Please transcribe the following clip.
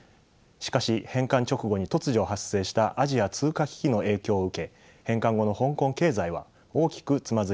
しかし返還直後に突如発生したアジア通貨危機の影響を受け返還後の香港経済は大きくつまずいてしまいます。